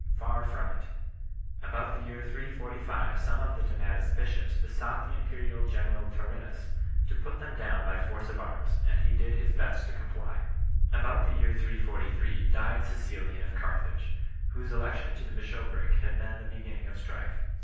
Far from it. About the year 345 some of the Donatist bishops besought the imperial general Taurinus to put them down by force of arms, and he did his best to comply 4 . About the year 343 died Csecilian of Carthage, whose election to the bishopric had been the beginning of strife.